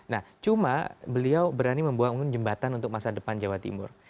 nah cuma beliau berani membuang jembatan untuk masa depan jawa timur